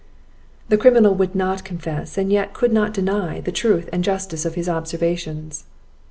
The criminal would not confess, and yet could not deny, the truth and justice of his observations.